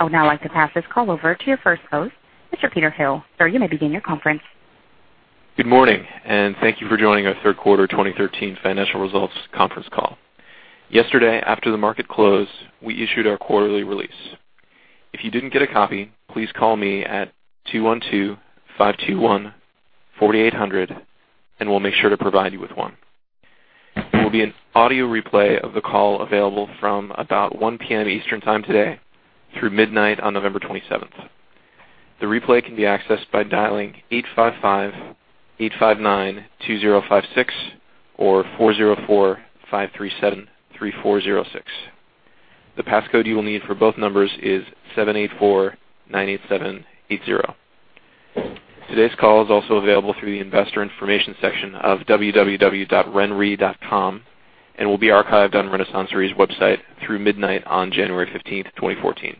I would now like to pass this call over to your first host, Mr. Peter Hill. Sir, you may begin your conference. Good morning. Thank you for joining our third quarter 2013 financial results conference call. Yesterday, after the market closed, we issued our quarterly release. If you didn't get a copy, please call me at 212 521 4800, and we'll make sure to provide you with one. There will be an audio replay of the call available from about 1 A.M. Eastern Time today through midnight on November 27th. The replay can be accessed by dialing 855 859 2056 or 404 537 3406. The passcode you will need for both numbers is 78498780. Today's call is also available through the investor information section of www.renre.com and will be archived on RenaissanceRe's website through midnight on January 15th, 2014.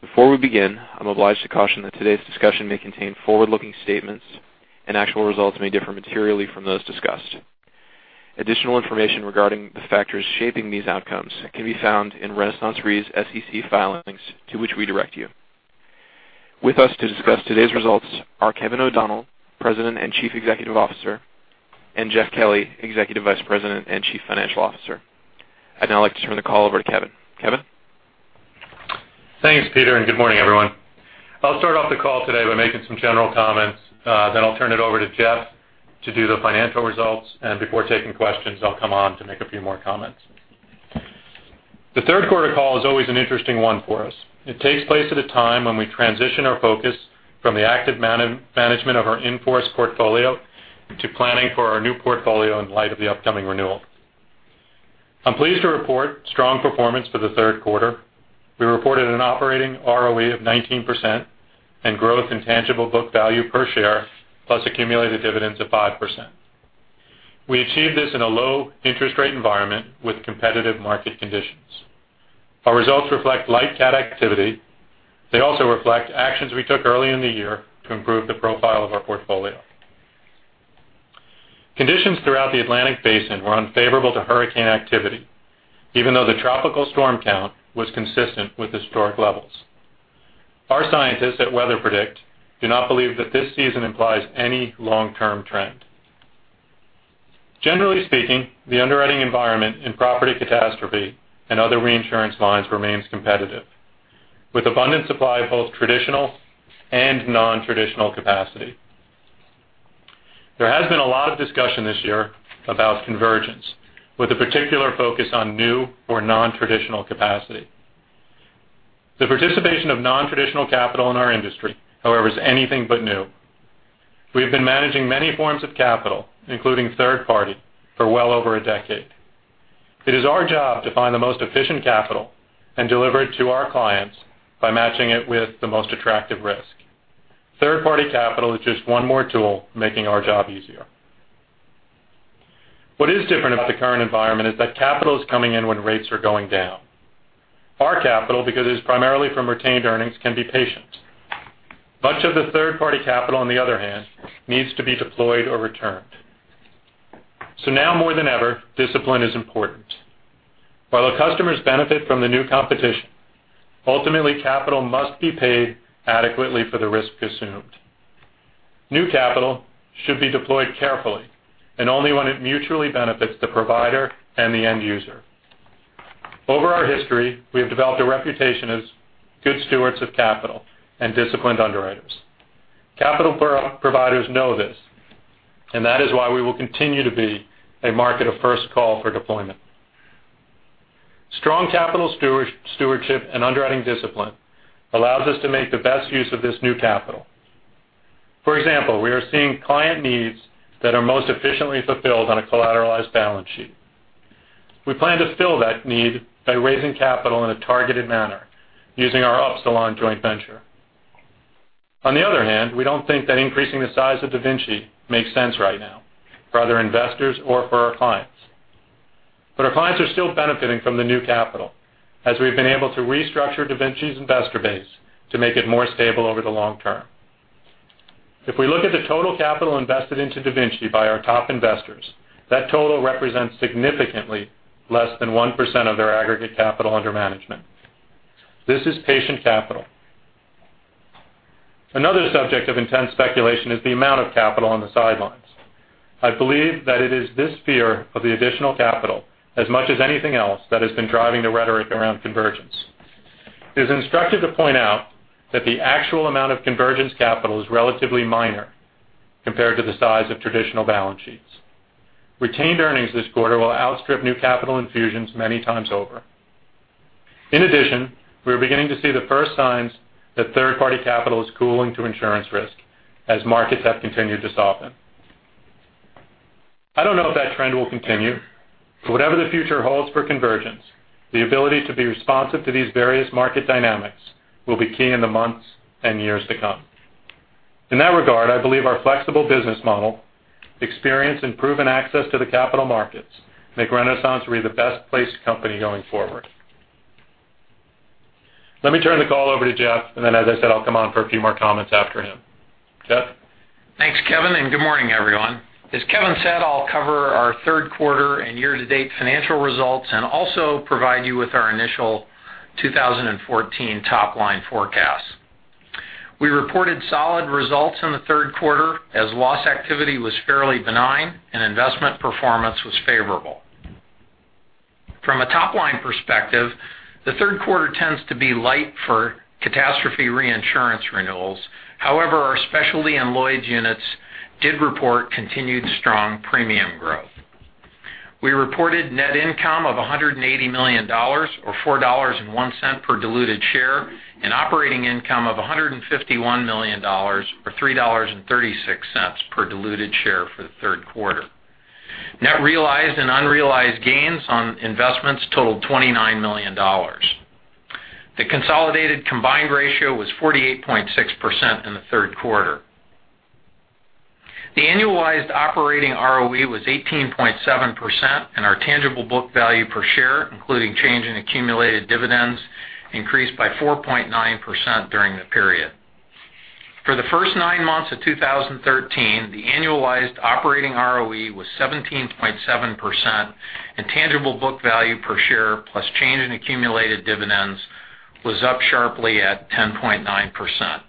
Before we begin, I'm obliged to caution that today's discussion may contain forward-looking statements and actual results may differ materially from those discussed. Additional information regarding the factors shaping these outcomes can be found in RenaissanceRe's SEC filings to which we direct you. With us to discuss today's results are Kevin O'Donnell, President and Chief Executive Officer, and Jeff Kelly, Executive Vice President and Chief Financial Officer. I'd now like to turn the call over to Kevin. Kevin? Thanks, Peter. Good morning, everyone. I'll start off the call today by making some general comments. I'll turn it over to Jeff to do the financial results. Before taking questions, I'll come on to make a few more comments. The third quarter call is always an interesting one for us. It takes place at a time when we transition our focus from the active management of our in-force portfolio to planning for our new portfolio in light of the upcoming renewal. I'm pleased to report strong performance for the third quarter. We reported an operating ROE of 19% and growth in tangible book value per share plus accumulated dividends of 5%. We achieved this in a low interest rate environment with competitive market conditions. Our results reflect light cat activity. They also reflect actions we took early in the year to improve the profile of our portfolio. Conditions throughout the Atlantic Basin were unfavorable to hurricane activity, even though the tropical storm count was consistent with historic levels. Our scientists at WeatherPredict do not believe that this season implies any long-term trend. Generally speaking, the underwriting environment in property catastrophe and other reinsurance lines remains competitive, with abundant supply of both traditional and non-traditional capacity. There has been a lot of discussion this year about convergence, with a particular focus on new or non-traditional capacity. The participation of non-traditional capital in our industry, however, is anything but new. We've been managing many forms of capital, including third party, for well over a decade. It is our job to find the most efficient capital and deliver it to our clients by matching it with the most attractive risk. Third-party capital is just one more tool making our job easier. What is different about the current environment is that capital is coming in when rates are going down. Our capital, because it is primarily from retained earnings, can be patient. Much of the third-party capital, on the other hand, needs to be deployed or returned. Now more than ever, discipline is important. While the customers benefit from the new competition, ultimately capital must be paid adequately for the risk assumed. New capital should be deployed carefully and only when it mutually benefits the provider and the end user. Over our history, we have developed a reputation as good stewards of capital and disciplined underwriters. Capital providers know this, and that is why we will continue to be a market of first call for deployment. Strong capital stewardship and underwriting discipline allows us to make the best use of this new capital. For example, we are seeing client needs that are most efficiently fulfilled on a collateralized balance sheet. We plan to fill that need by raising capital in a targeted manner using our Upsilon joint venture. On the other hand, we don't think that increasing the size of DaVinci makes sense right now for other investors or for our clients. Our clients are still benefiting from the new capital, as we've been able to restructure DaVinci's investor base to make it more stable over the long term. If we look at the total capital invested into DaVinci by our top investors, that total represents significantly less than 1% of their aggregate capital under management. This is patient capital. Another subject of intense speculation is the amount of capital on the sidelines. I believe that it is this fear of the additional capital, as much as anything else, that has been driving the rhetoric around convergence. It is instructive to point out that the actual amount of convergence capital is relatively minor compared to the size of traditional balance sheets. Retained earnings this quarter will outstrip new capital infusions many times over. In addition, we are beginning to see the first signs that third-party capital is cooling to insurance risk as markets have continued to soften. I don't know if that trend will continue. Whatever the future holds for convergence, the ability to be responsive to these various market dynamics will be key in the months and years to come. In that regard, I believe our flexible business model, experience, and proven access to the capital markets make RenaissanceRe the best-placed company going forward. Let me turn the call over to Jeff, and then as I said, I'll come on for a few more comments after him. Jeff? Thanks, Kevin. Good morning. As Kevin said, I'll cover our third quarter and year-to-date financial results and also provide you with our initial 2014 top-line forecast. We reported solid results in the third quarter as loss activity was fairly benign and investment performance was favorable. From a top-line perspective, the third quarter tends to be light for catastrophe reinsurance renewals. However, our specialty and Lloyd's units did report continued strong premium growth. We reported net income of $180 million or $4.01 per diluted share and operating income of $151 million or $3.36 per diluted share for the third quarter. Net realized and unrealized gains on investments totaled $29 million. The consolidated combined ratio was 48.6% in the third quarter. The annualized operating ROE was 18.7% and our tangible book value per share, including change in accumulated dividends, increased by 4.9% during the period. For the first nine months of 2013, the annualized operating ROE was 17.7% and tangible book value per share plus change in accumulated dividends was up sharply at 10.9%.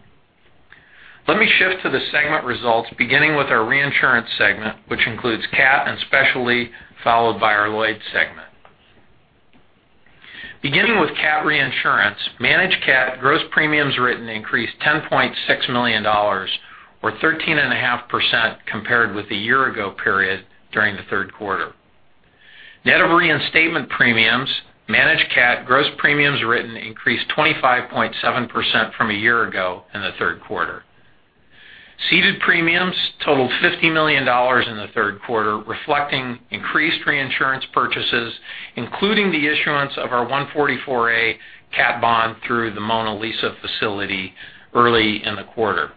Let me shift to the segment results, beginning with our reinsurance segment, which includes cat and specialty, followed by our Lloyd's segment. Beginning with cat reinsurance, Managed CAT gross premiums written increased $10.6 million or 13.5% compared with the year ago period during the third quarter. Net of reinstatement premiums, Managed CAT gross premiums written increased 25.7% from a year ago in the third quarter. Ceded premiums totaled $50 million in the third quarter, reflecting increased reinsurance purchases, including the issuance of our 144A cat bond through the Mona Lisa facility early in the quarter.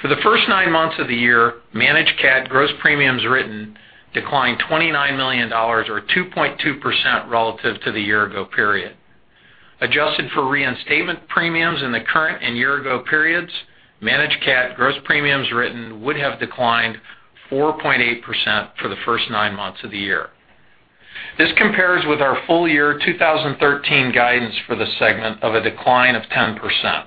For the first nine months of the year, Managed CAT gross premiums written declined $29 million or 2.2% relative to the year ago period. Adjusted for reinstatement premiums in the current and year ago periods, Managed CAT gross premiums written would have declined 4.8% for the first nine months of the year. This compares with our full year 2013 guidance for the segment of a decline of 10%.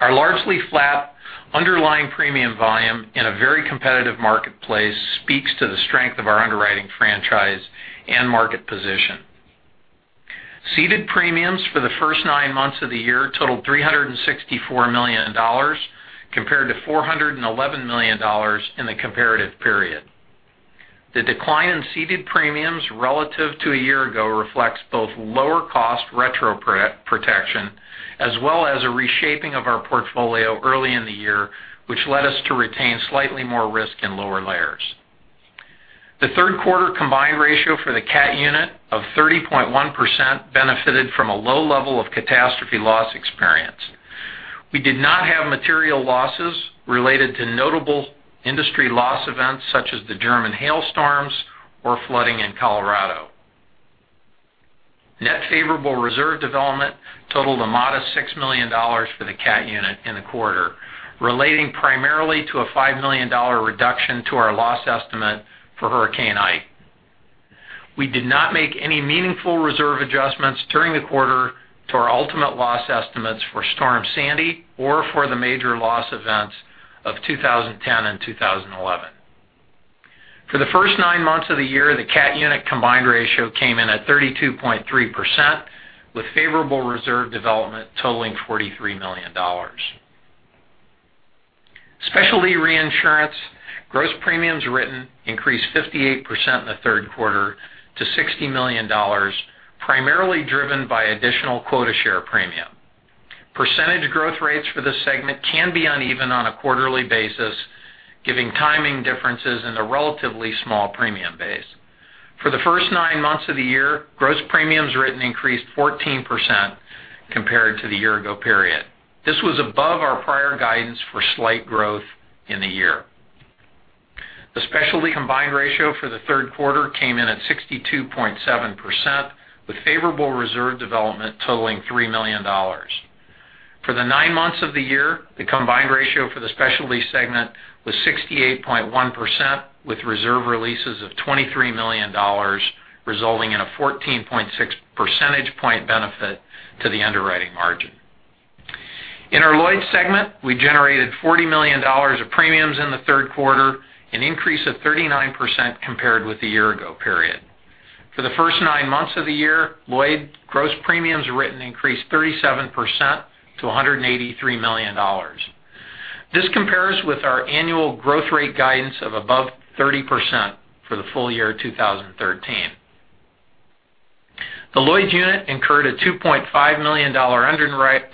Our largely flat underlying premium volume in a very competitive marketplace speaks to the strength of our underwriting franchise and market position. Ceded premiums for the first nine months of the year totaled $364 million compared to $411 million in the comparative period. The decline in ceded premiums relative to a year ago reflects both lower cost retro protection as well as a reshaping of our portfolio early in the year, which led us to retain slightly more risk in lower layers. The third quarter combined ratio for the CAT unit of 30.1% benefited from a low level of catastrophe loss experience. We did not have material losses related to notable industry loss events such as the German hailstorms or flooding in Colorado. Net favorable reserve development totaled a modest $6 million for the CAT unit in the quarter, relating primarily to a $5 million reduction to our loss estimate for Hurricane Ike. We did not make any meaningful reserve adjustments during the quarter to our ultimate loss estimates for Hurricane Sandy or for the major loss events of 2010 and 2011. For the first nine months of the year, the CAT unit combined ratio came in at 32.3% with favorable reserve development totaling $43 million. Specialty reinsurance gross premiums written increased 58% in the third quarter to $60 million, primarily driven by additional quota share premium. Percentage growth rates for this segment can be uneven on a quarterly basis, giving timing differences in the relatively small premium base. For the first nine months of the year, gross premiums written increased 14% compared to the year ago period. This was above our prior guidance for slight growth in the year. The specialty combined ratio for the third quarter came in at 62.7%, with favorable reserve development totaling $3 million. For the nine months of the year, the combined ratio for the specialty segment was 68.1%, with reserve releases of $23 million, resulting in a 14.6 percentage point benefit to the underwriting margin. In our Lloyd's segment, we generated $40 million of premiums in the third quarter, an increase of 39% compared with the year ago period. For the first nine months of the year, Lloyd's gross premiums written increased 37% to $183 million. This compares with our annual growth rate guidance of above 30% for the full year 2013. The Lloyd's unit incurred a $2.5 million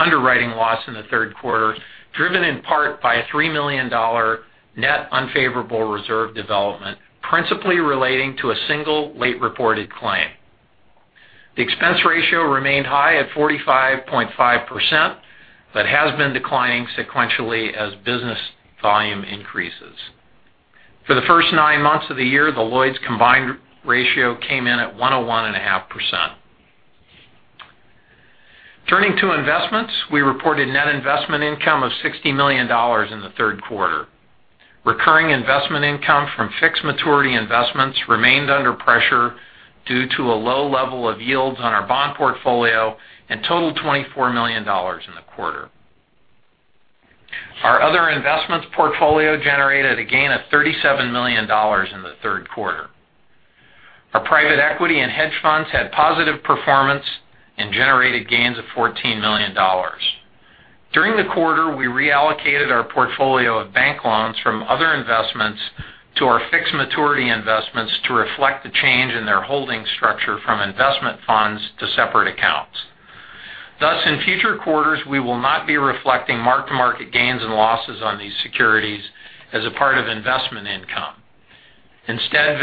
underwriting loss in the third quarter, driven in part by a $3 million net unfavorable reserve development, principally relating to a single late reported claim. The expense ratio remained high at 45.5%, but has been declining sequentially as business volume increases. For the first nine months of the year, the Lloyd's combined ratio came in at 101.5%. Turning to investments, we reported net investment income of $60 million in the third quarter. Recurring investment income from fixed maturity investments remained under pressure due to a low level of yields on our bond portfolio and totaled $24 million in the quarter. Our other investments portfolio generated a gain of $37 million in the third quarter. Our private equity and hedge funds had positive performance and generated gains of $14 million. During the quarter, we reallocated our portfolio of bank loans from other investments to our fixed maturity investments to reflect the change in their holding structure from investment funds to separate accounts. In future quarters, we will not be reflecting mark-to-market gains and losses on these securities as a part of investment income. Instead,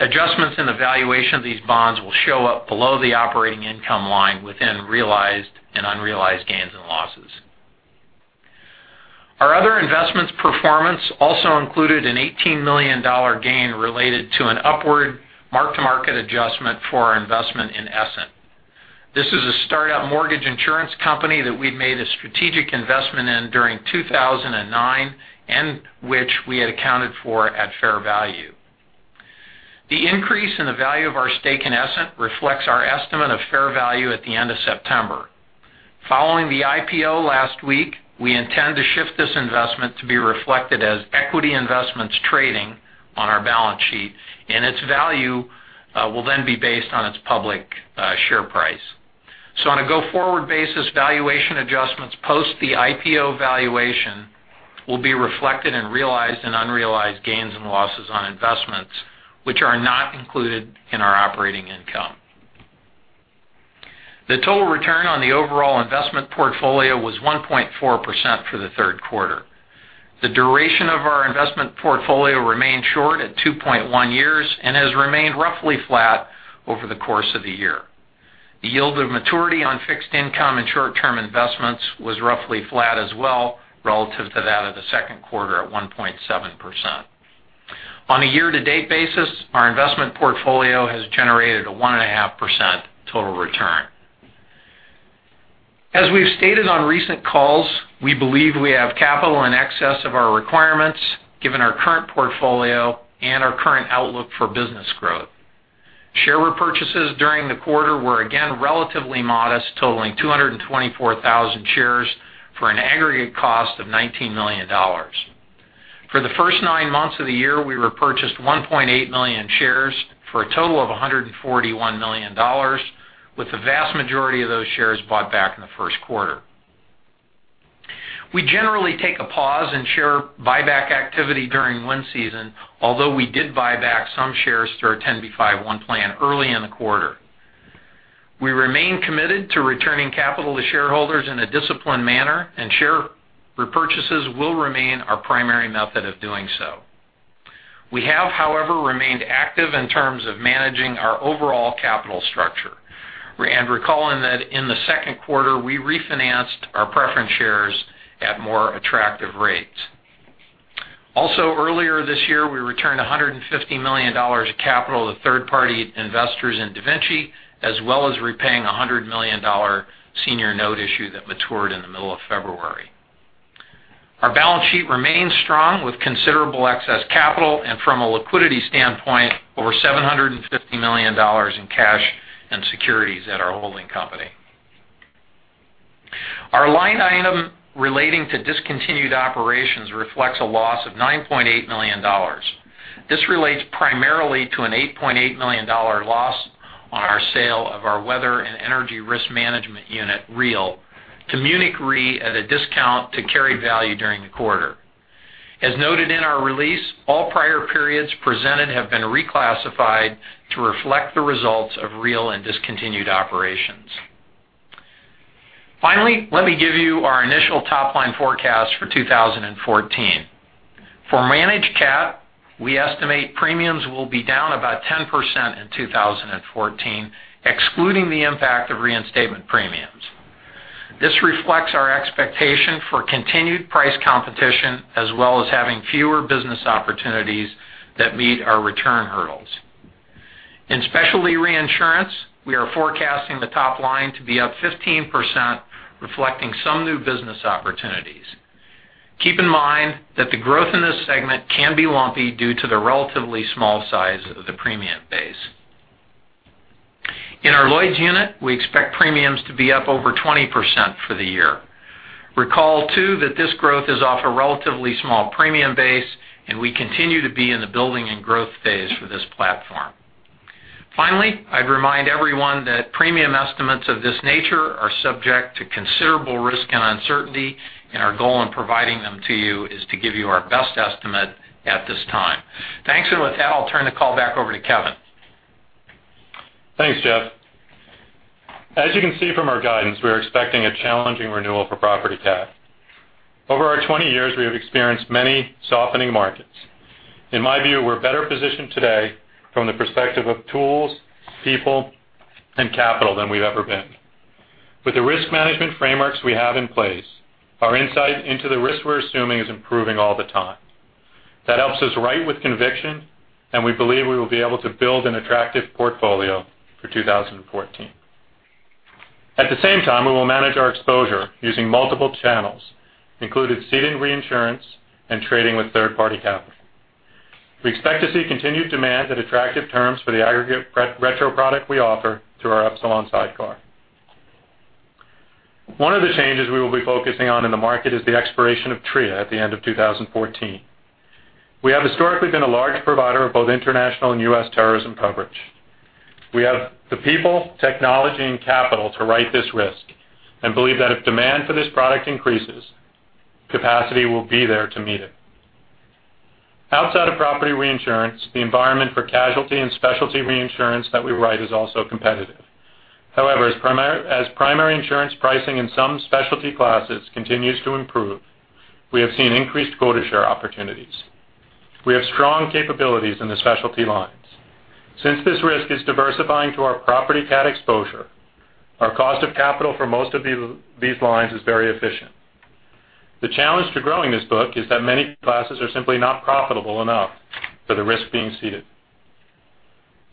adjustments in the valuation of these bonds will show up below the operating income line within realized and unrealized gains and losses. Our other investments performance also included an $18 million gain related to an upward mark-to-market adjustment for our investment in Essent. This is a startup mortgage insurance company that we'd made a strategic investment in during 2009 and which we had accounted for at fair value. The increase in the value of our stake in Essent reflects our estimate of fair value at the end of September. Following the IPO last week, we intend to shift this investment to be reflected as equity investments trading on our balance sheet, and its value will then be based on its public share price. On a go-forward basis, valuation adjustments post the IPO valuation will be reflected in realized and unrealized gains and losses on investments, which are not included in our operating income. The total return on the overall investment portfolio was 1.4% for the third quarter. The duration of our investment portfolio remained short at 2.1 years and has remained roughly flat over the course of the year. The yield of maturity on fixed income and short-term investments was roughly flat as well relative to that of the second quarter at 1.7%. On a year-to-date basis, our investment portfolio has generated a 1.5% total return. As we've stated on recent calls, we believe we have capital in excess of our requirements, given our current portfolio and our current outlook for business growth. Share repurchases during the quarter were again relatively modest, totaling 224,000 shares for an aggregate cost of $19 million. For the first nine months of the year, we repurchased 1.8 million shares for a total of $141 million, with the vast majority of those shares bought back in the first quarter. We generally take a pause in share buyback activity during wind season, although we did buy back some shares through our 10b5-1 plan early in the quarter. We remain committed to returning capital to shareholders in a disciplined manner, share repurchases will remain our primary method of doing so. We have, however, remained active in terms of managing our overall capital structure. Recalling that in the second quarter, we refinanced our preference shares at more attractive rates. Also, earlier this year, we returned $150 million of capital to third-party investors in DaVinci, as well as repaying $100 million senior note issue that matured in the middle of February. Our balance sheet remains strong, with considerable excess capital, and from a liquidity standpoint, over $750 million in cash and securities at our holding company. Our line item relating to discontinued operations reflects a loss of $9.8 million. This relates primarily to an $8.8 million loss on our sale of our weather and energy risk management unit, REAL, to Munich Re at a discount to carry value during the quarter. As noted in our release, all prior periods presented have been reclassified to reflect the results of REAL and discontinued operations. Finally, let me give you our initial top-line forecast for 2014. For Managed CAT, we estimate premiums will be down about 10% in 2014, excluding the impact of reinstatement premiums. This reflects our expectation for continued price competition, as well as having fewer business opportunities that meet our return hurdles. In specialty reinsurance, we are forecasting the top line to be up 15%, reflecting some new business opportunities. Keep in mind that the growth in this segment can be lumpy due to the relatively small size of the premium base. In our Lloyd's unit, we expect premiums to be up over 20% for the year. Recall too that this growth is off a relatively small premium base, and we continue to be in the building and growth phase for this platform. I'd remind everyone that premium estimates of this nature are subject to considerable risk and uncertainty, and our goal in providing them to you is to give you our best estimate at this time. Thanks. With that, I'll turn the call back over to Kevin. Thanks, Jeff. As you can see from our guidance, we are expecting a challenging renewal for property CAT. Over our 20 years, we have experienced many softening markets. In my view, we're better positioned today from the perspective of tools, people, and capital than we've ever been. With the risk management frameworks we have in place, our insight into the risk we're assuming is improving all the time. That helps us write with conviction, and we believe we will be able to build an attractive portfolio for 2014. At the same time, we will manage our exposure using multiple channels, including ceding reinsurance and trading with third-party capital. We expect to see continued demand at attractive terms for the aggregate retro product we offer through our Upsilon sidecar. One of the changes we will be focusing on in the market is the expiration of TRIA at the end of 2014. We have historically been a large provider of both international and U.S. terrorism coverage. We have the people, technology and capital to write this risk and believe that if demand for this product increases, capacity will be there to meet it. Outside of property reinsurance, the environment for casualty and specialty reinsurance that we write is also competitive. However, as primary insurance pricing in some specialty classes continues to improve, we have seen increased quota share opportunities. We have strong capabilities in the specialty lines. Since this risk is diversifying to our property cat exposure, our cost of capital for most of these lines is very efficient. The challenge to growing this book is that many classes are simply not profitable enough for the risk being ceded.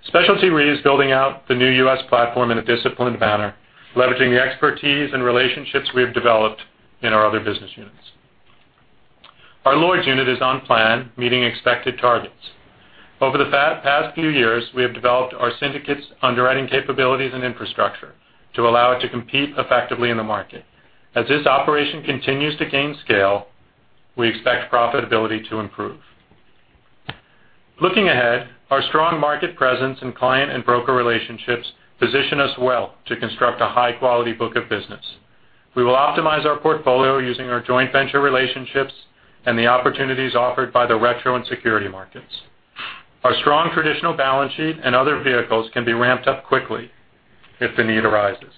Specialty Re is building out the new U.S. platform in a disciplined manner, leveraging the expertise and relationships we have developed in our other business units. Our Lloyd's unit is on plan, meeting expected targets. Over the past few years, we have developed our syndicate's underwriting capabilities and infrastructure to allow it to compete effectively in the market. As this operation continues to gain scale, we expect profitability to improve. Looking ahead, our strong market presence in client and broker relationships position us well to construct a high-quality book of business. We will optimize our portfolio using our joint venture relationships and the opportunities offered by the retro and security markets. Our strong traditional balance sheet and other vehicles can be ramped up quickly if the need arises.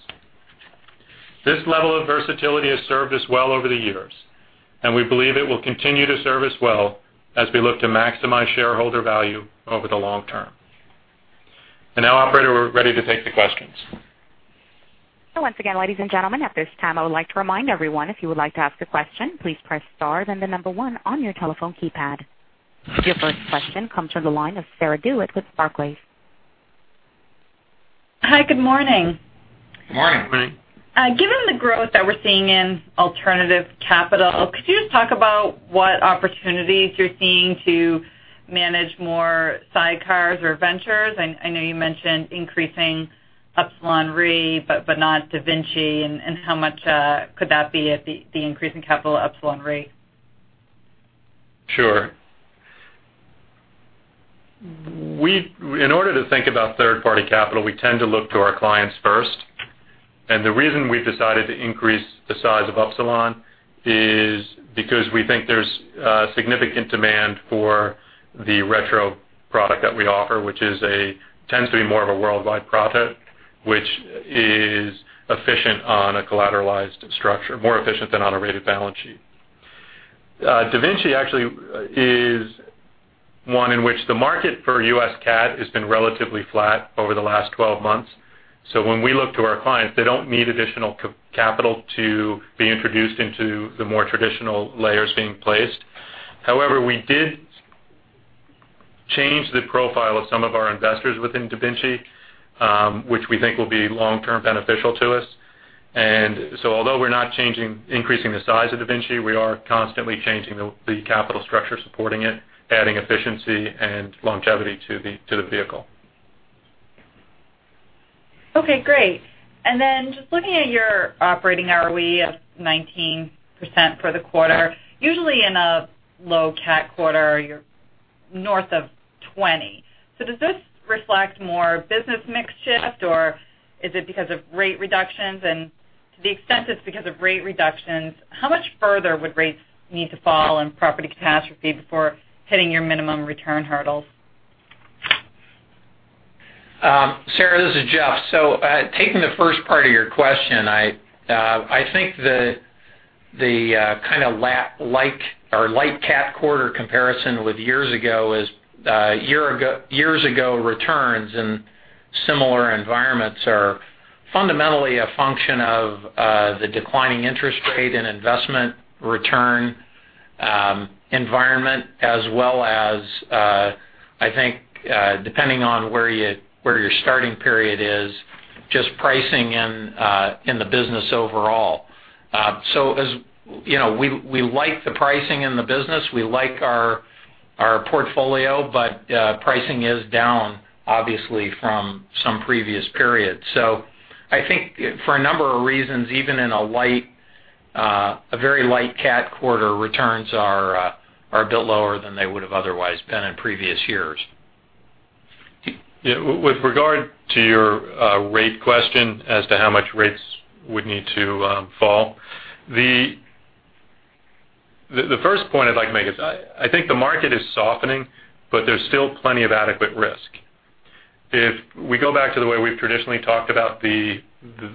This level of versatility has served us well over the years, and we believe it will continue to serve us well as we look to maximize shareholder value over the long term. Now, operator, we're ready to take the questions. Once again, ladies and gentlemen, at this time, I would like to remind everyone, if you would like to ask a question, please press star, then the 1 on your telephone keypad. Your first question comes from the line of Sarah DeWitt with Barclays. Hi, good morning. Good morning. Good morning. Given the growth that we're seeing in alternative capital, could you just talk about what opportunities you're seeing to manage more sidecars or ventures? I know you mentioned increasing Upsilon Re, but not DaVinciRe. How much could that be at the increase in capital at Upsilon Re? Sure. In order to think about third-party capital, we tend to look to our clients first. The reason we've decided to increase the size of Upsilon is because we think there's significant demand for the retrocession product that we offer, which tends to be more of a worldwide product, which is efficient on a collateralized structure, more efficient than on a rated balance sheet. DaVinciRe actually is one in which the market for U.S. cat has been relatively flat over the last 12 months. When we look to our clients, they don't need additional capital to be introduced into the more traditional layers being placed. However, we did change the profile of some of our investors within DaVinciRe, which we think will be long-term beneficial to us. Although we're not increasing the size of DaVinciRe, we are constantly changing the capital structure supporting it, adding efficiency and longevity to the vehicle. Okay, great. Just looking at your operating ROE of 19% for the quarter, usually in a low cat quarter, you're north of 20. Does this reflect more business mix shift, or is it because of rate reductions? To the extent it's because of rate reductions, how much further would rates need to fall in property catastrophe before hitting your minimum return hurdles? Sarah, this is Jeff. Taking the first part of your question, I think the kind of light cat quarter comparison with years ago is years ago returns in similar environments are fundamentally a function of the declining interest rate and investment return environment as well as, I think depending on where your starting period is, just pricing in the business overall. We like the pricing in the business. We like our portfolio, but pricing is down, obviously, from some previous period. I think for a number of reasons, even in a very light cat quarter, returns are a bit lower than they would have otherwise been in previous years. With regard to your rate question as to how much rates would need to fall, the first point I'd like to make is I think the market is softening, but there's still plenty of adequate risk. If we go back to the way we've traditionally talked about the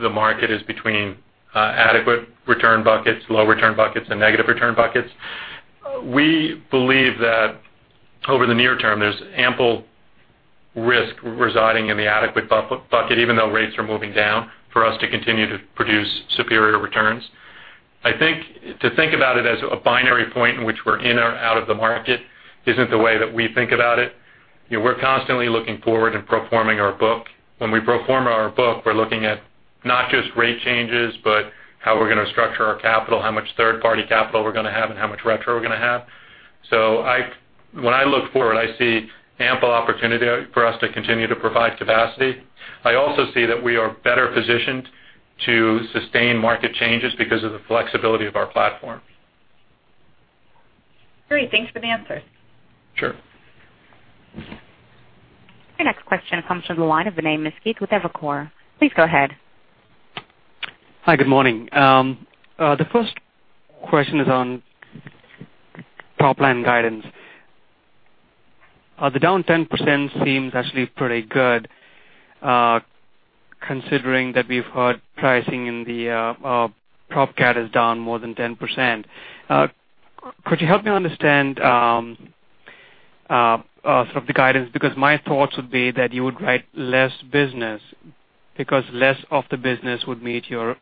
market is between adequate return buckets, low return buckets, and negative return buckets, we believe that over the near term, there's ample risk residing in the adequate bucket, even though rates are moving down for us to continue to produce superior returns. I think to think about it as a binary point in which we're in or out of the market isn't the way that we think about it. We're constantly looking forward and pro forming our book. When we pro forma our book, we're looking at not just rate changes, but how we're going to structure our capital, how much third-party capital we're going to have, and how much retrocession we're going to have. When I look forward, I see ample opportunity for us to continue to provide capacity. I also see that we are better positioned to sustain market changes because of the flexibility of our platform. Great. Thanks for the answers. Sure. Your next question comes from the line of Vinay Misquith with Evercore. Please go ahead. Hi. Good morning. The first question is on top-line guidance. The down 10% seems actually pretty good, considering that we've heard pricing in the prop cat is down more than 10%. Could you help me understand some of the guidance? My thoughts would be that you would write less business because less of the business would meet your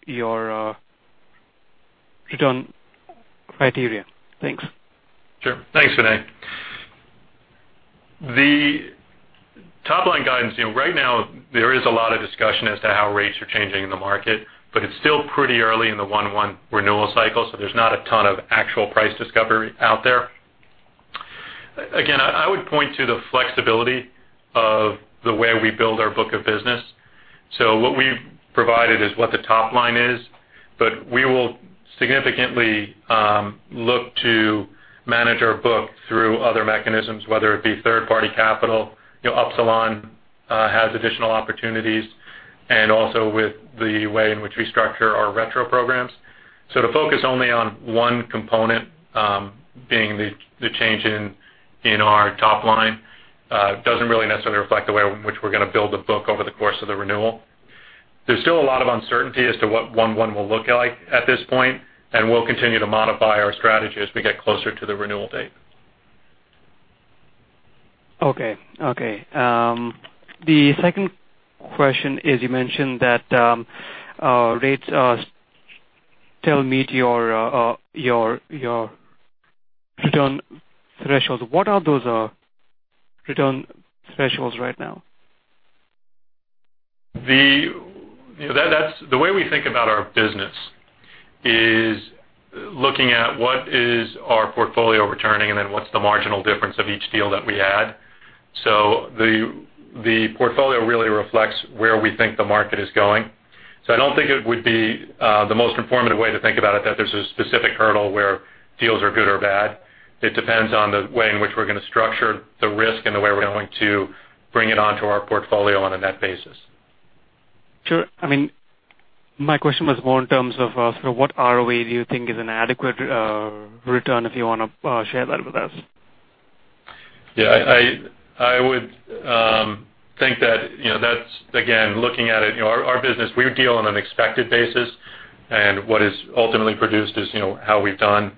return criteria. Thanks. Thanks, Vinay. The top-line guidance, right now there is a lot of discussion as to how rates are changing in the market, but it's still pretty early in the 1/1 renewal cycle, there's not a ton of actual price discovery out there. Again, I would point to the flexibility of the way we build our book of business. What we've provided is what the top line is, but we will significantly look to manage our book through other mechanisms, whether it be third-party capital, Upsilon has additional opportunities, and also with the way in which we structure our retrocession programs. To focus only on one component being the change in our top line doesn't really necessarily reflect the way in which we're going to build the book over the course of the renewal. There's still a lot of uncertainty as to what 1/1 will look like at this point, and we'll continue to modify our strategy as we get closer to the renewal date. Okay. The second question is, you mentioned that rates still meet your return thresholds. What are those return thresholds right now? The way we think about our business is looking at what is our portfolio returning and then what's the marginal difference of each deal that we add. The portfolio really reflects where we think the market is going. I don't think it would be the most informative way to think about it, that there's a specific hurdle where deals are good or bad. It depends on the way in which we're going to structure the risk and the way we're going to bring it onto our portfolio on a net basis. Sure. My question was more in terms of what ROE do you think is an adequate return, if you want to share that with us? Yeah. I would think that, again, looking at it, our business, we deal on an expected basis, and what is ultimately produced is how we've done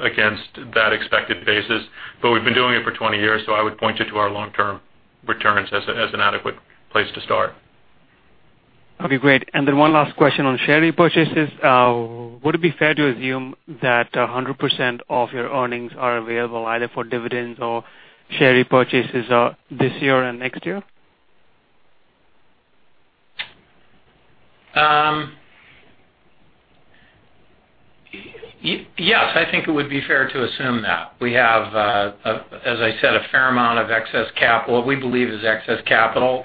against that expected basis. We've been doing it for 20 years, I would point you to our long-term returns as an adequate place to start. Okay, great. Then one last question on share repurchases. Would it be fair to assume that 100% of your earnings are available either for dividends or share repurchases this year and next year? Yes, I think it would be fair to assume that. We have, as I said, a fair amount of excess capital, what we believe is excess capital,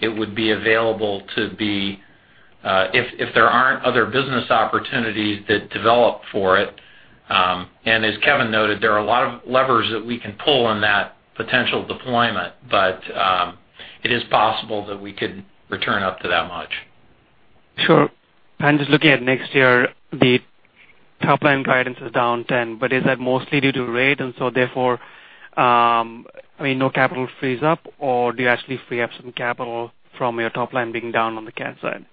it would be available if there aren't other business opportunities that develop for it. As Kevin noted, there are a lot of levers that we can pull on that potential deployment, it is possible that we could return up to that much. Sure. I'm just looking at next year, the top-line guidance is down 10%, but is that mostly due to rate and so therefore no capital frees up or do you actually free up some capital from your top line being down on the cat side?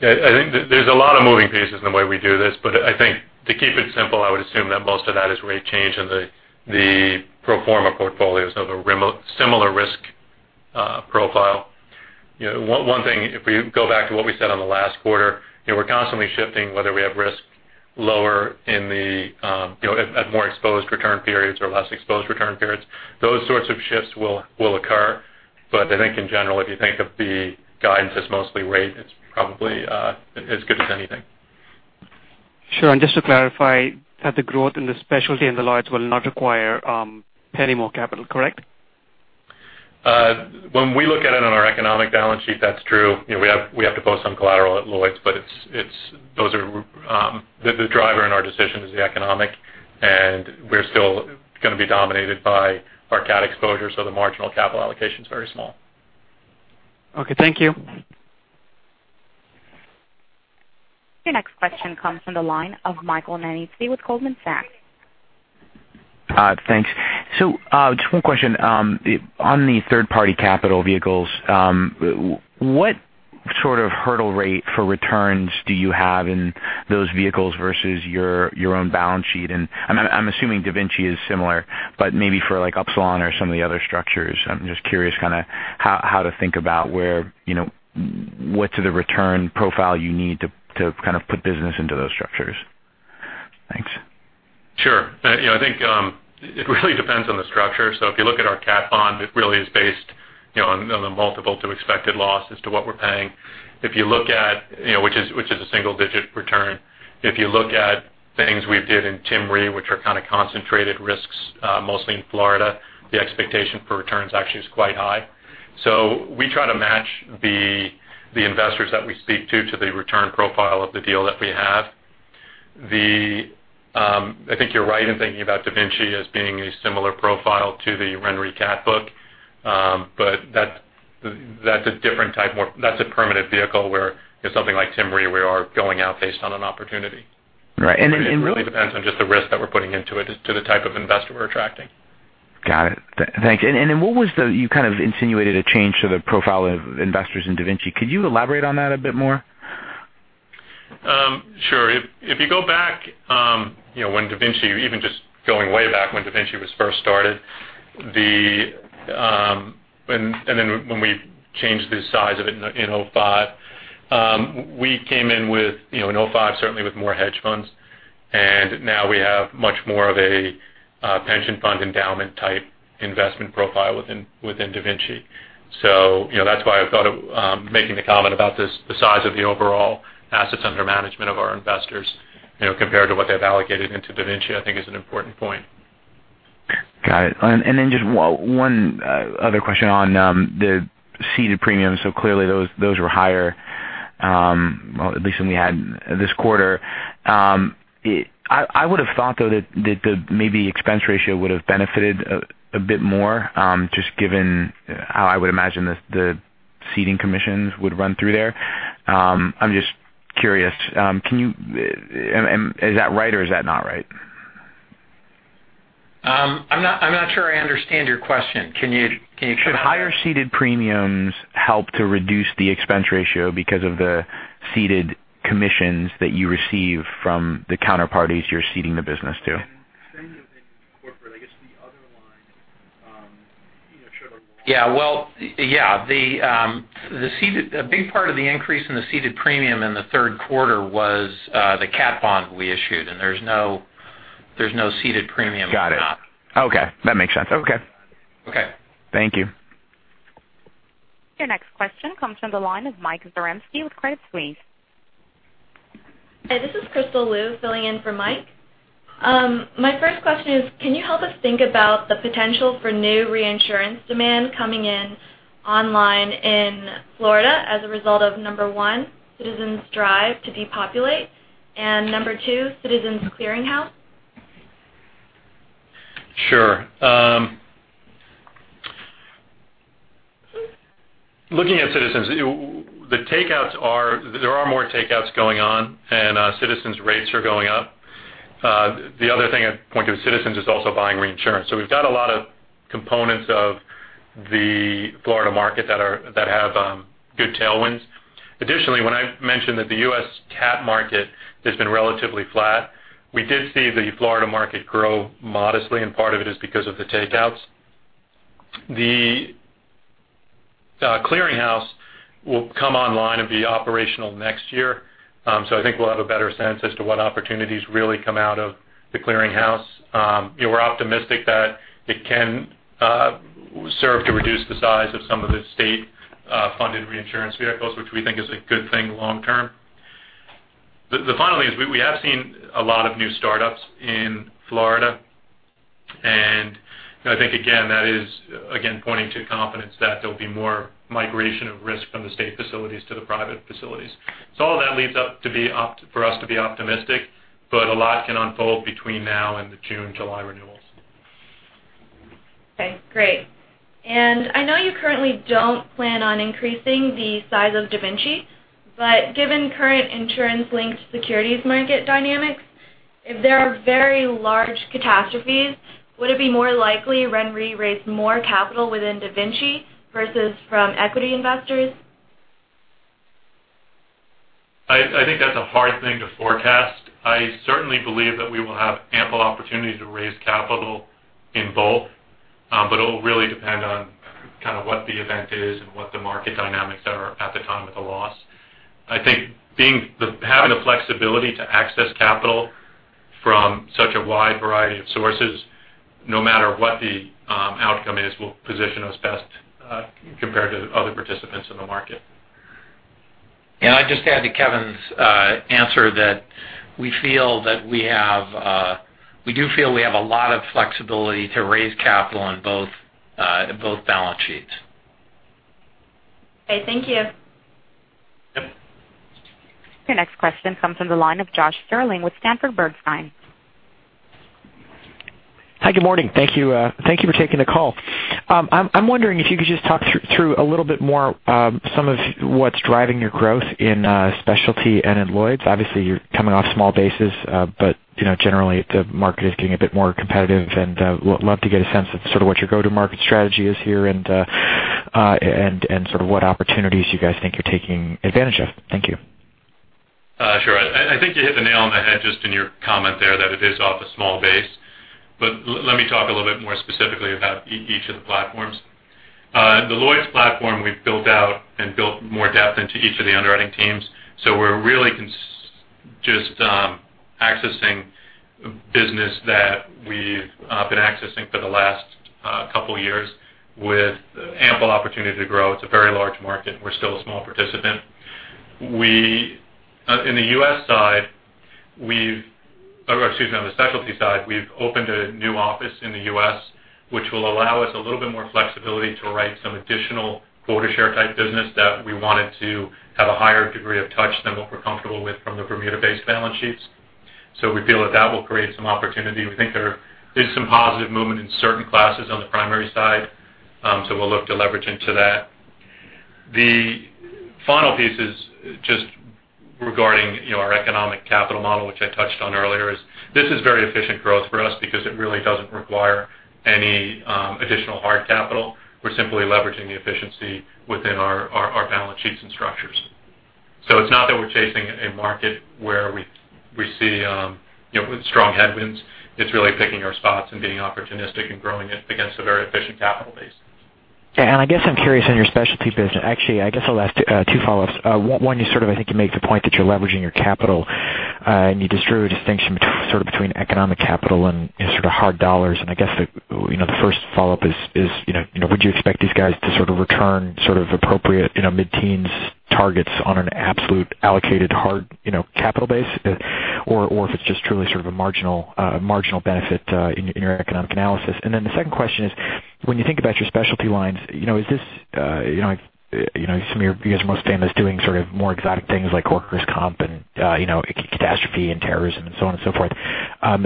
Yeah, I think there's a lot of moving pieces in the way we do this, but I think to keep it simple, I would assume that most of that is rate change in the pro forma portfolio, so the similar risk profile. One thing, if we go back to what we said on the last quarter, we're constantly shifting whether we have risk lower at more exposed return periods or less exposed return periods. Those sorts of shifts will occur. I think in general, if you think of the guidance as mostly rate, it's probably as good as anything. Sure. Just to clarify that the growth in the specialty and the Lloyd's will not require any more capital, correct? When we look at it on our economic balance sheet, that's true. We have to post some collateral at Lloyd's, but the driver in our decision is the economic, and we're still going to be dominated by our cat exposure, so the marginal capital allocation is very small. Okay. Thank you. Your next question comes from the line of Michael Nannizzi with Goldman Sachs. Thanks. Just one question. On the third-party capital vehicles, What sort of hurdle rate for returns do you have in those vehicles versus your own balance sheet? I'm assuming DaVinciRe is similar, but maybe for Upsilon or some of the other structures, I'm just curious how to think about what's the return profile you need to put business into those structures. Thanks. Sure. I think it really depends on the structure. If you look at our cat bond, it really is based on the multiple to expected loss as to what we're paying. If you look at, which is a single-digit return. If you look at things we did in Tim Re, which are kind of concentrated risks, mostly in Florida, the expectation for returns actually is quite high. We try to match the investors that we speak to the return profile of the deal that we have. I think you're right in thinking about DaVinci as being a similar profile to the RenRe CAT book. That's a different type, that's a permanent vehicle where something like Tim Re, we are going out based on an opportunity. Right. It really depends on just the risk that we're putting into it as to the type of investor we're attracting. Got it. Thanks. You kind of insinuated a change to the profile of investors in DaVinciRe. Could you elaborate on that a bit more? Sure. If you go back when DaVinciRe, even just going way back when DaVinciRe was first started, then when we changed the size of it in 2005, we came in with, in 2005, certainly with more hedge funds, and now we have much more of a pension fund endowment type investment profile within DaVinciRe. That's why I thought making the comment about the size of the overall assets under management of our investors compared to what they've allocated into DaVinciRe, I think is an important point. Got it. Then just one other question on the ceded premiums. Clearly those were higher, at least than we had this quarter. I would have thought, though, that maybe expense ratio would have benefited a bit more, just given how I would imagine the ceding commissions would run through there. I'm just curious, is that right or is that not right? I'm not sure I understand your question. Can you? Should higher ceded premiums help to reduce the expense ratio because of the ceded commissions that you receive from the counterparties you're ceding the business to? Same as in corporate, I guess the other line showed. Yeah. A big part of the increase in the ceded premium in the third quarter was the catastrophe bond we issued. There's no ceded premium on that. Got it. Okay. That makes sense. Okay. Okay. Thank you. Your next question comes from the line of Mike Zarembski with Credit Suisse. Hi, this is Crystal Lu filling in for Mike. My first question is, can you help us think about the potential for new reinsurance demand coming in online in Florida as a result of, number one, Citizens drive to depopulate and number two, Citizens Clearinghouse? Sure. Looking at Citizens, there are more takeouts going on and Citizens rates are going up. The other thing I'd point to is Citizens is also buying reinsurance. We've got a lot of components of the Florida market that have good tailwinds. Additionally, when I mentioned that the U.S. cat market has been relatively flat, we did see the Florida market grow modestly, and part of it is because of the takeouts. The Clearinghouse will come online and be operational next year. I think we'll have a better sense as to what opportunities really come out of the Clearinghouse. We're optimistic that it can serve to reduce the size of some of the state-funded reinsurance vehicles, which we think is a good thing long term. The final thing is, we have seen a lot of new startups in Florida, and I think, that is again pointing to confidence that there'll be more migration of risk from the state facilities to the private facilities. All of that leads up for us to be optimistic, but a lot can unfold between now and the June, July renewals. Okay, great. I know you currently don't plan on increasing the size of DaVinciRe, but given current insurance-linked securities market dynamics, if there are very large catastrophes, would it be more likely RenRe raise more capital within DaVinciRe versus from equity investors? I think that is a hard thing to forecast. I certainly believe that we will have ample opportunity to raise capital in both. It will really depend on kind of what the event is and what the market dynamics are at the time of the loss. I think having the flexibility to access capital from such a wide variety of sources, no matter what the outcome is, will position us best compared to other participants in the market. I would just add to Kevin's answer that we do feel we have a lot of flexibility to raise capital in both balance sheets. Okay, thank you. Yep. Your next question comes from the line of Josh Stirling with Sanford Bernstein. Hi, good morning. Thank you for taking the call. I'm wondering if you could just talk through a little bit more some of what's driving your growth in specialty and in Lloyd's. Obviously, you're coming off a small basis, generally the market is getting a bit more competitive and love to get a sense of sort of what your go-to-market strategy is here and sort of what opportunities you guys think you're taking advantage of. Thank you. I think you hit the nail on the head just in your comment there that it is off a small base. Let me talk a little bit more specifically about each of the platforms. The Lloyd's platform we've built out and built more depth into each of the underwriting teams. We're really just accessing business that we've been accessing for the last couple of years with ample opportunity to grow. It's a very large market, and we're still a small participant. In the U.S. side, on the specialty side, we've opened a new office in the U.S., which will allow us a little bit more flexibility to write some additional quota share type business that we wanted to have a higher degree of touch than what we're comfortable with from the Bermuda-based balance sheets. We feel that that will create some opportunity. We think there is some positive movement in certain classes on the primary side. We'll look to leverage into that. The final piece is just regarding our economic capital model, which I touched on earlier, is this is very efficient growth for us because it really doesn't require any additional hard capital. We're simply leveraging the efficiency within our balance sheets and structures. It's not that we're chasing a market where we see with strong headwinds. It's really picking our spots and being opportunistic and growing it against a very efficient capital base. Yeah. I guess I'm curious on your specialty business. Actually, I guess I'll ask two follow-ups. One, you sort of, I think you make the point that you're leveraging your capital, and you drew a distinction between economic capital and sort of hard dollars. I guess the first follow-up is would you expect these guys to sort of return appropriate mid-teens targets on an absolute allocated hard capital base? If it's just truly sort of a marginal benefit in your economic analysis. The second question is, when you think about your specialty lines, you guys are most famous doing sort of more exotic things like workers' comp and catastrophe and terrorism and so on and so forth. I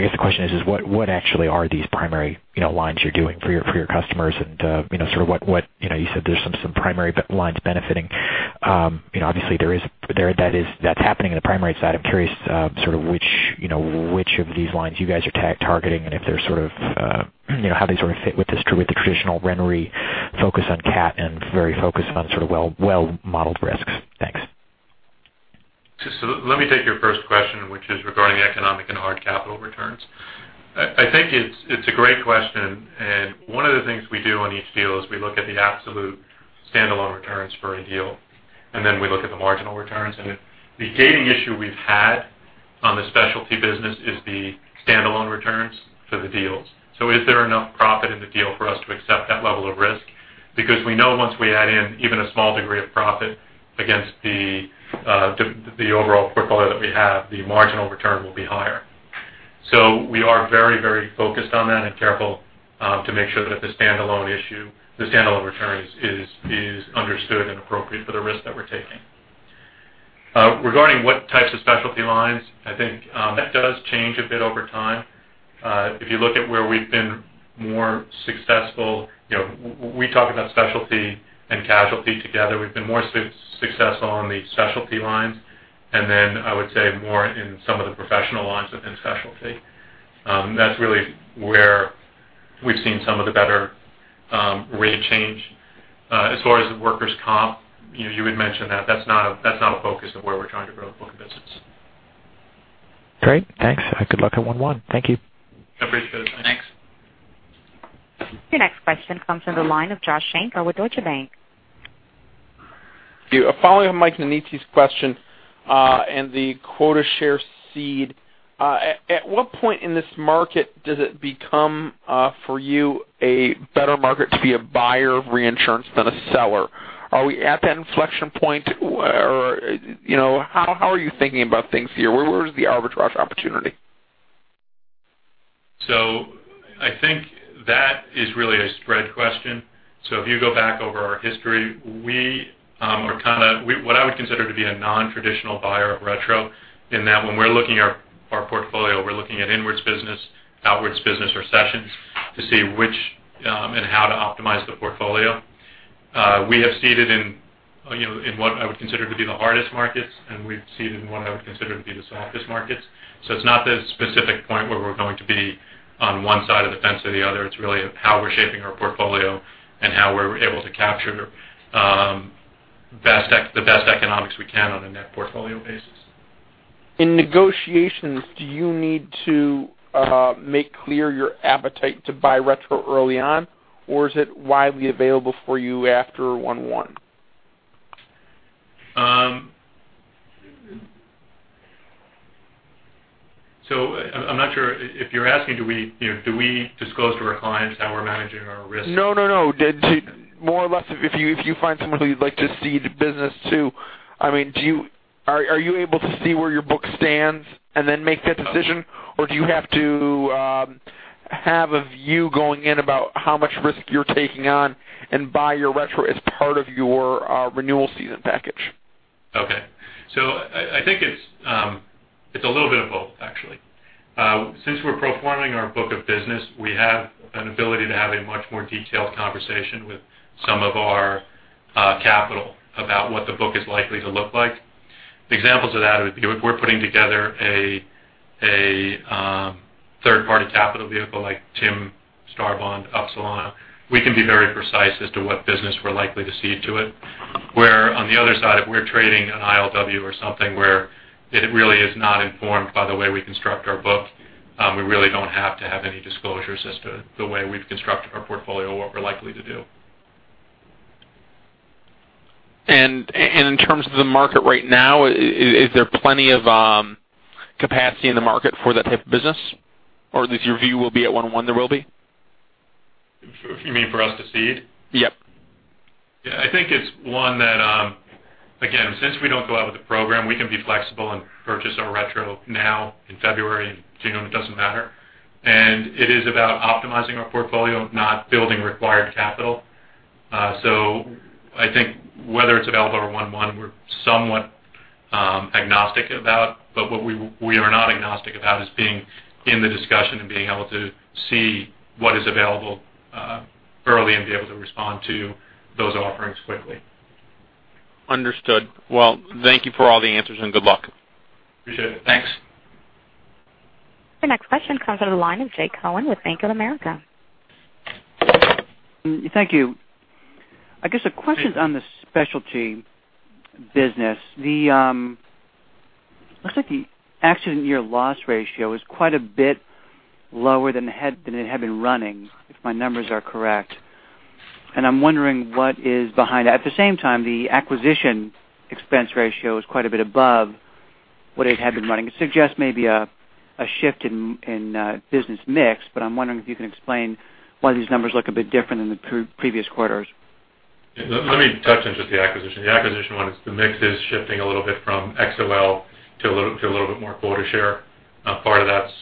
guess the question is what actually are these primary lines you're doing for your customers and sort of what you said there's some primary lines benefiting. Obviously that's happening in the primary side. I'm curious sort of which of these lines you guys are targeting and how they sort of fit with the traditional RenRe focus on cat and very focused on sort of well-modeled risks. Thanks. Let me take your first question, which is regarding economic and hard capital returns. I think it's a great question, and one of the things we do on each deal is we look at the absolute standalone returns for a deal, and then we look at the marginal returns. The gating issue we've had on the specialty business is the standalone returns for the deals. Is there enough profit in the deal for us to accept that level of risk? Because we know once we add in even a small degree of profit against the overall portfolio that we have, the marginal return will be higher. We are very focused on that and careful to make sure that the standalone issue, the standalone return is understood and appropriate for the risk that we're taking. Regarding what types of specialty lines, I think that does change a bit over time. If you look at where we've been more successful, we talk about specialty and casualty together. We've been more successful on the specialty lines and then I would say more in some of the professional lines within specialty. That's really where we've seen some of the better rate change. As far as the workers' comp, you had mentioned that's not a focus of where we're trying to grow the book of business. Great. Thanks. Good luck at one one. Thank you. No worries. Good. Thanks. Your next question comes from the line of Joshua Shanker with Deutsche Bank. Following on Mike Nannizzi's question and the quota share cede, at what point in this market does it become for you a better market to be a buyer of reinsurance than a seller? Are we at that inflection point? How are you thinking about things here? Where is the arbitrage opportunity? I think that is really a spread question. If you go back over our history, we are kind of what I would consider to be a non-traditional buyer of retrocession in that when we're looking at our portfolio, we're looking at inwards business, outwards business retrocessions to see which and how to optimize the portfolio. We have ceded in what I would consider to be the hardest markets, and we've ceded in what I would consider to be the softest markets. It's not this specific point where we're going to be on one side of the fence or the other. It's really how we're shaping our portfolio and how we're able to capture the best economics we can on a net portfolio basis. In negotiations, do you need to make clear your appetite to buy retrocession early on, or is it widely available for you after 1/1? I'm not sure if you're asking do we disclose to our clients how we're managing our risk? No. More or less if you find someone who you'd like to cede business to, are you able to see where your book stands and then make that decision? Or do you have to have a view going in about how much risk you're taking on and buy your retrocession as part of your renewal season package? Okay. I think it's a little bit of both, actually. Since we're pro forming our book of business, we have an ability to have a much more detailed conversation with some of our capital about what the book is likely to look like. Examples of that would be if we're putting together a third-party capital vehicle like Tim, Starbound, Upsilon, we can be very precise as to what business we're likely to cede to it. Where on the other side, if we're trading an ILW or something where it really is not informed by the way we construct our book, we really don't have to have any disclosures as to the way we've constructed our portfolio or what we're likely to do. In terms of the market right now, is there plenty of capacity in the market for that type of business? Or is your view will be at 1/1 there will be? You mean for us to cede? Yep. I think it's one that, again, since we don't go out with a program, we can be flexible and purchase our retrocession now, in February, in June, it doesn't matter. It is about optimizing our portfolio, not building required capital. I think whether it's available or 1/1, we're somewhat agnostic about, but what we are not agnostic about is being in the discussion and being able to cede what is available early and be able to respond to those offerings quickly. Understood. Well, thank you for all the answers, and good luck. Appreciate it. Thanks. Your next question comes from the line of Jay Cohen with Bank of America. Thank you. I guess a question on the specialty business. Looks like the accident year loss ratio is quite a bit lower than it had been running, if my numbers are correct. I'm wondering what is behind that. At the same time, the acquisition expense ratio is quite a bit above what it had been running. It suggests maybe a shift in business mix, but I'm wondering if you can explain why these numbers look a bit different than the previous quarters. Let me touch on just the acquisition. The acquisition one is the mix is shifting a little bit from XOL to a little bit more quota share. Part of that's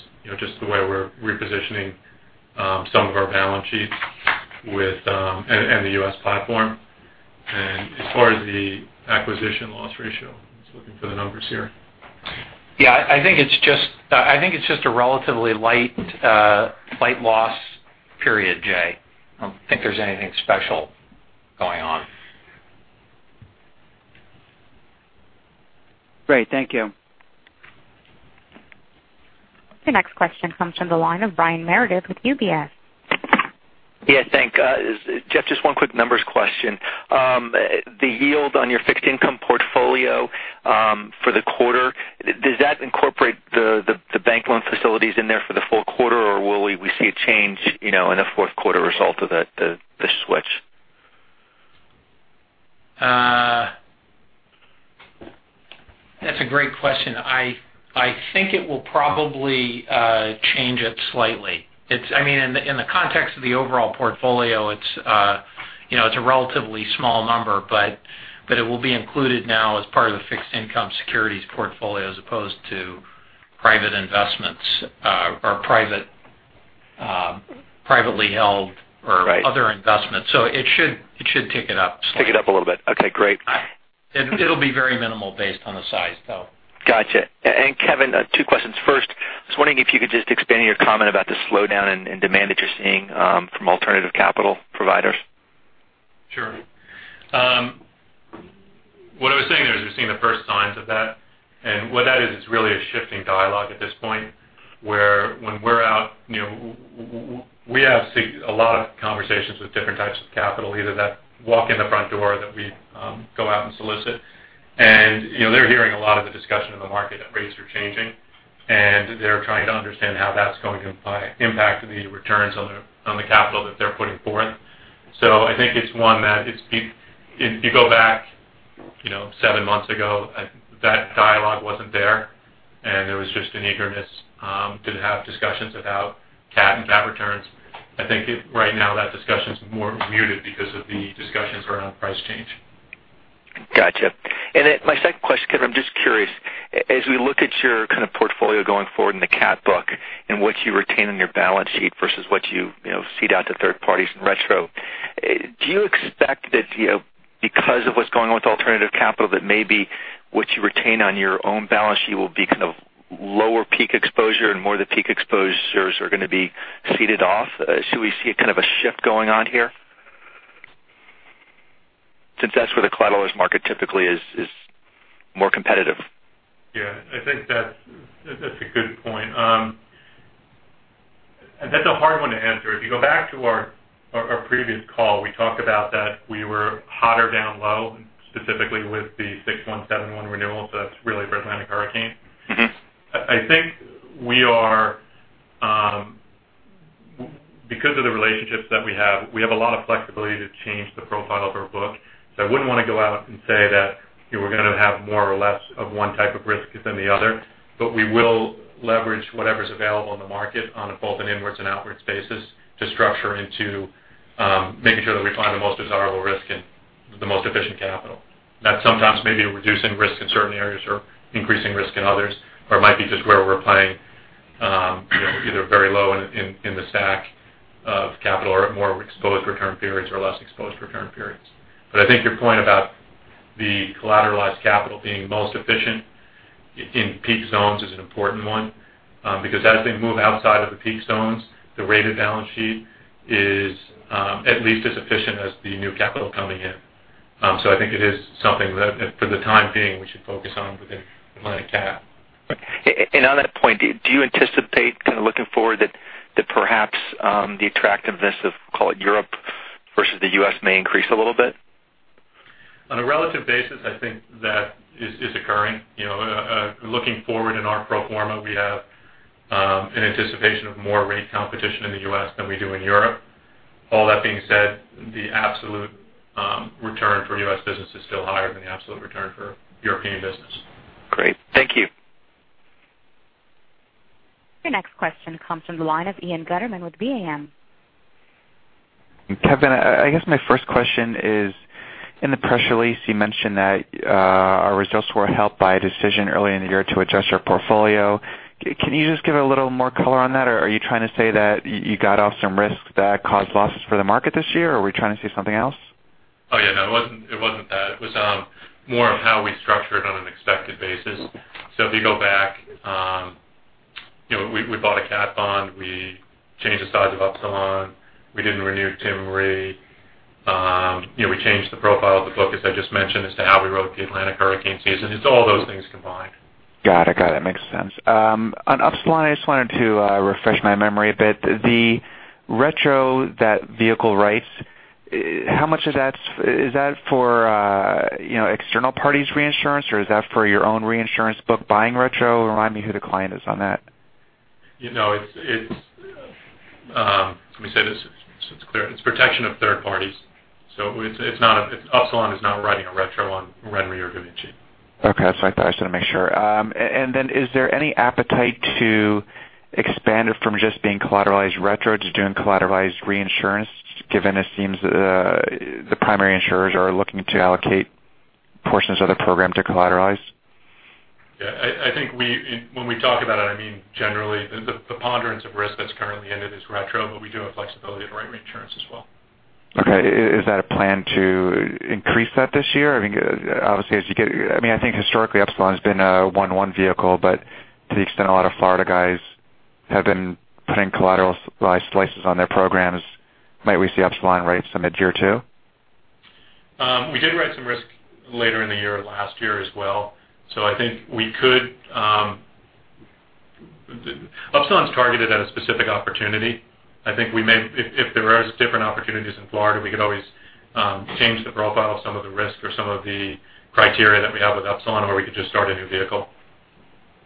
just the way we're repositioning some of our balance sheets and the U.S. platform. As far as the acquisition loss ratio, I was looking for the numbers here. Yeah, I think it's just a relatively light loss period, Jay. I don't think there's anything special going on. Great. Thank you. Your next question comes from the line of Brian Meredith with UBS. Yeah, thanks. Jeff, just one quick numbers question. The yield on your fixed income portfolio for the quarter, does that incorporate the bank loan facilities in there for the full quarter, or will we see a change in the fourth quarter result of the switch? That's a great question. I think it will probably change it slightly. In the context of the overall portfolio, it's a relatively small number, but it will be included now as part of the fixed income securities portfolio as opposed to private investments or privately held or other investments. It should tick it up slightly. Tick it up a little bit. Okay, great. It'll be very minimal based on the size, though. Got you. Kevin, two questions. First, I was wondering if you could just expand your comment about the slowdown in demand that you're seeing from alternative capital providers. Sure. What I was saying there is we're seeing the first signs of that. What that is, it's really a shifting dialogue at this point, where when we're out, we have a lot of conversations with different types of capital, either that walk in the front door or that we go out and solicit. They're hearing a lot of the discussion in the market that rates are changing, and they're trying to understand how that's going to impact the returns on the capital that they're putting forth. I think it's one that if you go back seven months ago, that dialogue wasn't there, and there was just an eagerness to have discussions about cat and cat returns. I think right now that discussion's more muted because of the discussions around price change. Got you. My second question, Kevin, I'm just curious. As we look at your kind of portfolio going forward in the cat book and what you retain on your balance sheet versus what you cede out to third parties in retrocession, do you expect that because of what's going on with alternative capital, that maybe what you retain on your own balance sheet will be kind of lower peak exposure and more of the peak exposures are going to be ceded off? Should we see a kind of a shift going on here? Since that's where the collateralized market typically is more competitive. I think that's a good point. That's a hard one to answer. If you go back to our previous call, we talked about that we were hotter down low, specifically with the 6171 renewal, so that's really for Atlantic Hurricane. I think because of the relationships that we have, we have a lot of flexibility to change the profile of our book. I wouldn't want to go out and say that we're going to have more or less of one type of risk than the other. We will leverage whatever's available in the market on both an inwards and outwards basis to structure into making sure that we find the most desirable risk and the most efficient capital. That sometimes may be reducing risk in certain areas or increasing risk in others, or it might be just where we're playing either very low in the stack of capital or more exposed return periods or less exposed return periods. I think your point about the collateralized capital being most efficient in peak zones is an important one, because as they move outside of the peak zones, the rated balance sheet is at least as efficient as the new capital coming in. I think it is something that for the time being, we should focus on within Atlantic Cat. On that point, do you anticipate kind of looking forward that perhaps the attractiveness of, call it Europe versus the U.S. may increase a little bit? On a relative basis, I think that is occurring. Looking forward in our pro forma, we have an anticipation of more rate competition in the U.S. than we do in Europe. All that being said, the absolute return for U.S. business is still higher than the absolute return for European business. Great. Thank you. Your next question comes from the line of Ian Gutterman with BAM. Kevin, I guess my first question is, in the press release you mentioned that our results were helped by a decision early in the year to adjust our portfolio. Can you just give a little more color on that, or are you trying to say that you got off some risks that caused losses for the market this year, or are we trying to say something else? Oh, yeah. No, it wasn't that. It was more of how we structured on an expected basis. If you go back, we bought a catastrophe bond. We changed the size of Upsilon. We didn't renew Tim Re. We changed the profile of the book, as I just mentioned, as to how we wrote the Atlantic hurricane season. It's all those things combined. Got it. Makes sense. On Upsilon, I just wanted to refresh my memory a bit. The retrocession that vehicle writes, how much of that's for external parties reinsurance, or is that for your own reinsurance book buying retrocession? Remind me who the client is on that. No, let me say this so it's clear. It's protection of third parties. Upsilon is not writing a retro on RenRe or DaVinci. Okay. That's what I thought. I just want to make sure. Then is there any appetite to expand it from just being collateralized retrocession to doing collateralized reinsurance, given it seems the primary insurers are looking to allocate portions of the program to collateralize? Yeah, I think when we talk about it, I mean generally the preponderance of risk that's currently in it is retrocession, but we do have flexibility to write reinsurance as well. Okay. Is that a plan to increase that this year? I mean, I think historically Upsilon has been a 1/1 vehicle, but to the extent a lot of Florida guys have been putting collateralized slices on their programs, might we see Upsilon write some 6/1-7/1 too? We did write some risk later in the year last year as well. I think we could. Upsilon's targeted at a specific opportunity. I think if there is different opportunities in Florida, we could always change the profile of some of the risk or some of the criteria that we have with Upsilon, or we could just start a new vehicle.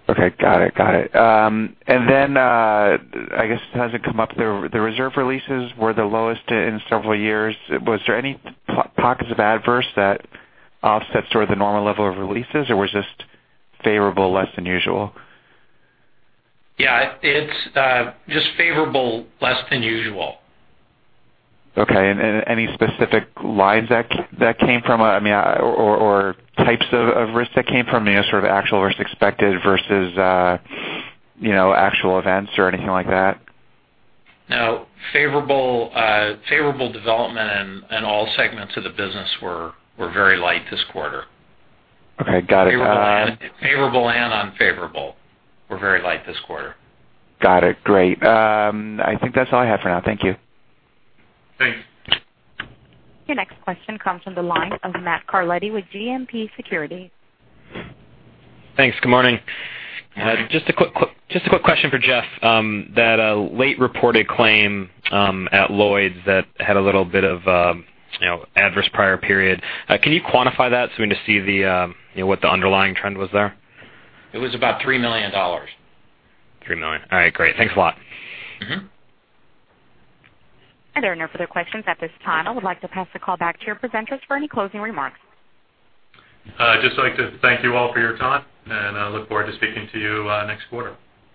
Okay, got it. I guess it hasn't come up. The reserve releases were the lowest in several years. Was there any pockets of adverse that offset sort of the normal level of releases, or was this favorable less than usual? Yeah, it's just favorable less than usual. Okay, any specific lines that came from or types of risk that came from sort of actual risk expected versus actual events or anything like that? No. Favorable development in all segments of the business were very light this quarter. Okay. Got it. Favorable and unfavorable were very light this quarter. Got it. Great. I think that's all I have for now. Thank you. Thanks. Your next question comes from the line of Matthew Carletti with JMP Securities. Thanks. Good morning. Just a quick question for Jeff. That late reported claim at Lloyd's that had a little bit of adverse prior period. Can you quantify that so we can just see what the underlying trend was there? It was about $3 million. $3 million. All right, great. Thanks a lot. There are no further questions at this time. I would like to pass the call back to your presenters for any closing remarks. I'd just like to thank you all for your time, and I look forward to speaking to you next quarter.